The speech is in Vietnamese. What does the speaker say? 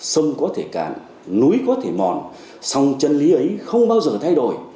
sông có thể cạn núi có thể mòn sông chân lý ấy không bao giờ thay đổi